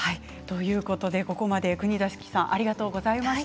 ここまで国崎さんありがとうございました。